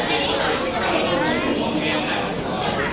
ที่เจนนี่ของกล้องนี้นะคะ